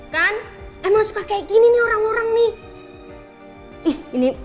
kenapa sabar pak